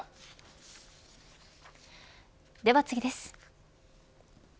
では次です。